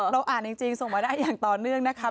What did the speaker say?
อ่านจริงส่งมาได้อย่างต่อเนื่องนะคะ